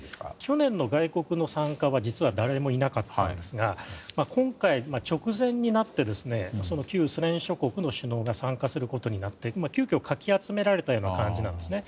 去年の外国の参加は誰もいなかったんですが今回、直前になって旧ソ連諸国の首脳が参加することになって急きょかき集められた感じなんですね。